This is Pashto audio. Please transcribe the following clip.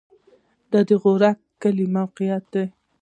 د غورک کلی موقعیت